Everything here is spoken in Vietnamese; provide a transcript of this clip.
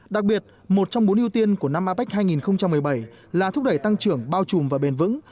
đặc biệt một trong bốn ưu tiên của năm apec hai nghìn một mươi bảy là thúc đẩy tăng trưởng bao trùm và bền vững